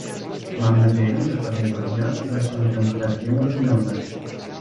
Mam nadzieję, że pewnego dnia uda się tę kwestię rozwiązać